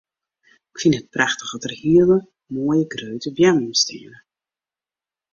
Ik fyn it prachtich at der hele moaie grutte beammen steane.